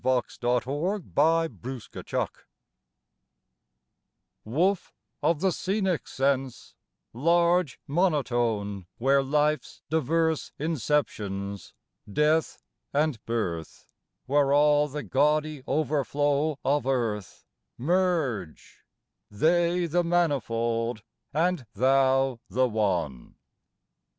zoi VIII NIRVANA ii WOOF of the scenic sense, large monotone Where life's diverse inceptions, death and birth, Where all the gaudy overflow of earth, Merge they the manifold and thou the One.